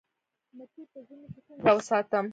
مچۍ په ژمي کې څنګه وساتم؟